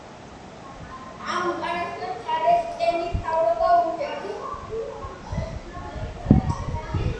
ამ უკანასკნელს მხარს კენიის მთავრობა უჭერს.